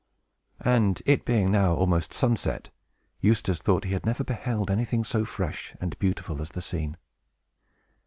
And, it being now almost sunset, Eustace thought that he had never beheld anything so fresh and beautiful as the scene.